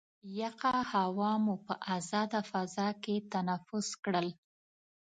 یخه هوا مو په ازاده فضا کې تنفس کړل.